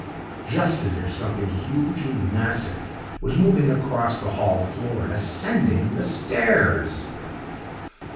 just as if something huge and massive was moving across the hall floor and ascending the stairs!